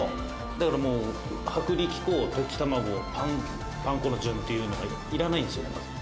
「だからもう薄力粉溶き卵パン粉の順っていうのがいらないんです」